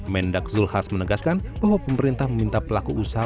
mendak zulkifli hasan menegaskan bahwa pemerintah meminta pelaku usaha